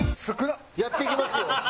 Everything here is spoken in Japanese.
やっていきますよ。